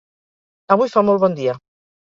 Avui fa molt bon dia